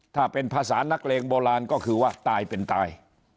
ถ้าเป็นภาษานักเลงโบราณก็คือว่าตายเป็นตาย